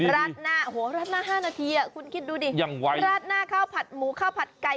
ราดหน้าโอ้โหราดหน้า๕นาทีคุณคิดดูดิราดหน้าข้าวผัดหมูข้าวผัดไก่